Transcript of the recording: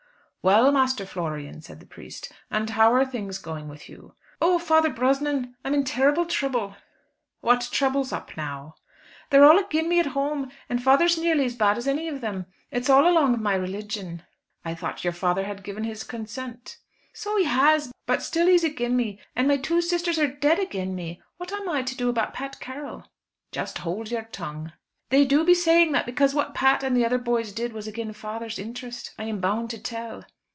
"Well, Master Florian," said the priest, "and how are things going with you?" "Oh! Father Brosnan, I'm in terrible throuble." "What throuble's up now?" "They're all agin me at home, and father's nearly as bad as any of them. It's all along of my religion." "I thought your father had given his consent?" "So he has; but still he's agin me. And my two sisters are dead agin me. What am I to do about Pat Carroll?" "Just hould your tongue." "They do be saying that because what Pat and the other boys did was agin father's interest, I am bound to tell."